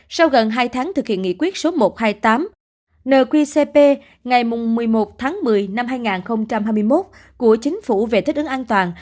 sau gần hai tháng thực hiện nghị quyết số một trăm hai mươi tám nqcp ngày một mươi một tháng một mươi năm hai nghìn hai mươi một của chính phủ về thích ứng an toàn